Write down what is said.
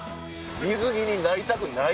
水着になりたくない！